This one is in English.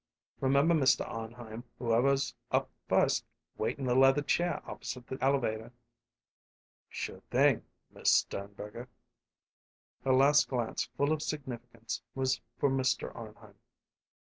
"Remember, Mr. Arnheim, whoever's up first wait in the leather chair opposite the elevator." "Sure thing, Miss Sternberger." Her last glance, full of significance, was for Mr. Arnheim.